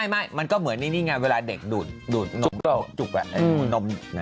ไม่มันก็เหมือนนี่ไงเวลาเด็กดูดนมจุกนม